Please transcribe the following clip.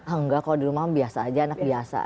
enggak kalau di rumah biasa aja anak biasa